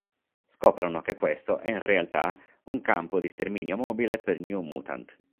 Scoprono che questo è in realtà un campo di sterminio mobile per New Mutant.